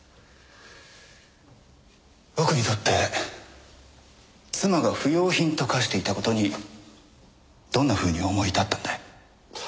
僕にとって妻が不要品と化していた事にどんなふうに思い至ったんだい？